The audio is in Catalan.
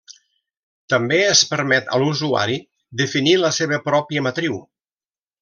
També es permet a l'usuari definir la seva pròpia matriu.